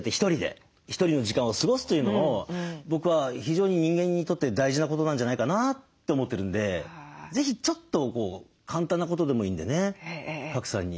ひとりの時間を過ごすというのを僕は非常に人間にとって大事なことなんじゃないかなって思ってるんで是非ちょっと簡単なことでもいいんでね賀来さんに勧めたいですね。